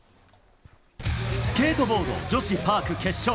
スケートボード女子パーク決勝。